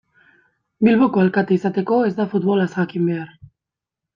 Bilboko alkate izateko ez da futbolaz jakin behar.